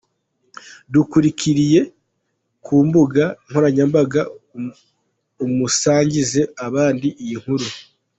Dukurikire ku mbuga nkoranyambaga unasangize abandi iyi nkuru.